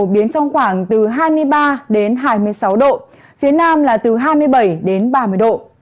biến trong khoảng từ hai mươi ba đến hai mươi sáu độ phía nam là từ hai mươi bảy đến ba mươi độ